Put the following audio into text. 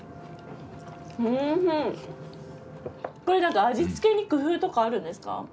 これなんか味付けに工夫とかあるんですか？